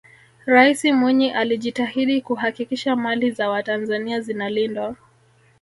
raisi mwinyi alijitahidi kuhakikisha mali za watanzania zinalindwa